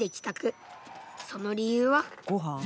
その理由は？